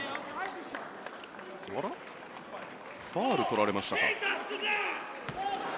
ファウルを取られましたか。